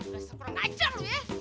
dasar perang ajar lu ye